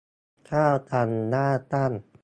ข้าวตังหน้าตั้ง